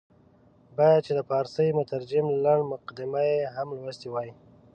باید چې د فارسي مترجم لنډه مقدمه یې هم لوستې وای.